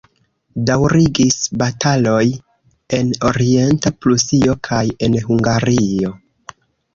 Daŭrigis bataloj en Orienta Prusio kaj en Hungario.